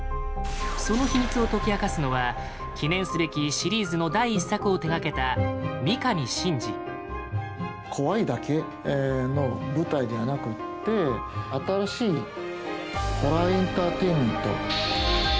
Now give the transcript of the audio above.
その秘密を解き明かすのは記念すべきシリーズの第１作を手がけた怖いだけの舞台ではなくって新しいホラーエンターテインメント。